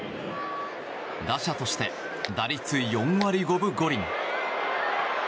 打者として打率４割５分５厘。